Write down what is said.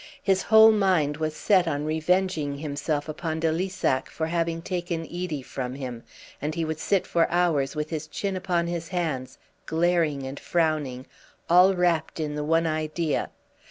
His whole mind was set on revenging himself upon de Lissac for having taken Edie from him, and he would sit for hours with his chin upon his hands glaring and frowning, all wrapped in the one idea.